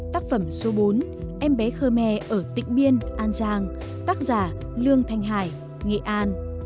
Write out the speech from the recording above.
tác phẩm số bốn em bé khơ me ở tỉnh biên an giang tác giả lương thanh hải nghệ an